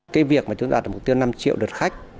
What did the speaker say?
cái việc mà chúng ta đặt mục tiêu năm triệu đợt khách